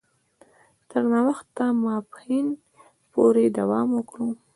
تر ناوخته ماپښین پوري دوام وکړ.